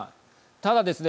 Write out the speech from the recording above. ただですね